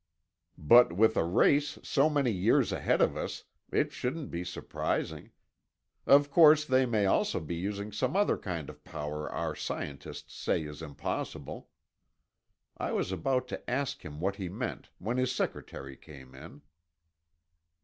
But with a race so many years ahead of us, it shouldn't be surprising. Of course, they may also be using some other kind of power our scientists say is impossible." I was about to ask him what he meant when his secretary came in.